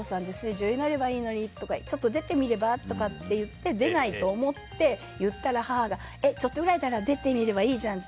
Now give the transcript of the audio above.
女優になればいいのに出てみればって言って出ないと思って言ったら母が、ちょっとくらいなら出てみればいいじゃん